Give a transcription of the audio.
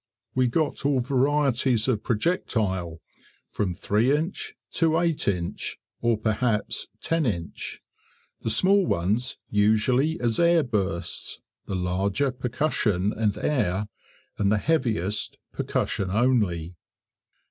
We got all varieties of projectile, from 3 inch to 8 inch, or perhaps 10 inch; the small ones usually as air bursts, the larger percussion and air, and the heaviest percussion only.